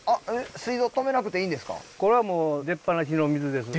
水道止めなくていいんですか？